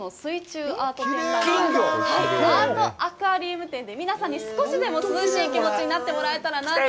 アートアクアリウム展で、皆さんに少しでも涼しい気持ちになってもらえたらなと。